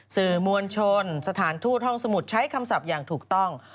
สื่อมวลชนสถานทูตห้องสมุทรใช้คำศัพท์อย่างถูกต้อง